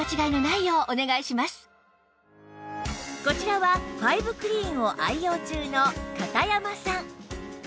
こちらはファイブクリーンを愛用中の片山さん